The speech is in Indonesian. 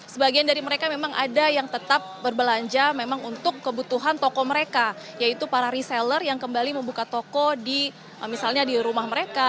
sebagian dari mereka memang ada yang tetap berbelanja memang untuk kebutuhan toko mereka yaitu para reseller yang kembali membuka toko di misalnya di rumah mereka